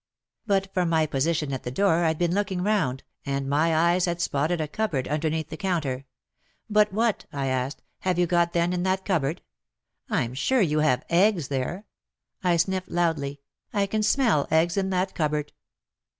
But from my position at the door I'd been looking round, and my eyes had spotted a cup board underneath the counter, " But what," I asked, " have you got then in that cupboard ? I'm sure you have eggs there" — I sniffed loudly, —*' I can smell eggs in that cupboard."